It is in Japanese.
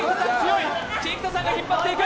菊田さんが引っ張っていく！